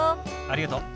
ありがとう。